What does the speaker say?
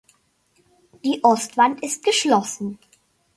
Die Ostwand ist geschlossen.